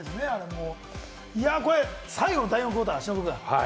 最後の第４クオーター、忍君。